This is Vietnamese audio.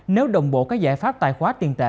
nếu đồng bộ các giải pháp tài khoá tiền tệ